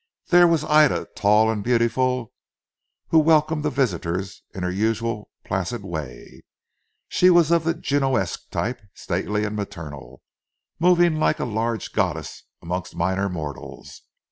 There was Ida tall and beautiful who welcomed the visitors in her usual placid way. She was of the Junoesque type, stately and maternal, moving like a large goddess amongst minor mortals.